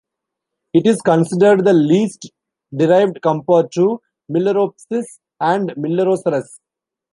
It is considered the leased derived compared to "Milleropsis" and "Millerosaurus".